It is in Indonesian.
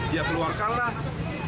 dia keluarkanlah kuncinya